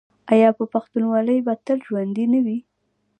آیا پښتونولي به تل ژوندي نه وي؟